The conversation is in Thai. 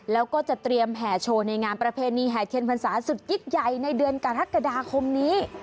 แล้วก็จะเตรียมแห่โชว์ในงานประเพณีแห่เทียนพรรษาสุดยิ่งใหญ่ในเดือนกรกฎาคมนี้